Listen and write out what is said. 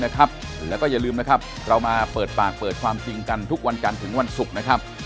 ได้ครับโอเคออกอาถหน้ายังไงสอบถามรายละเอียดกันใหม่นะครับ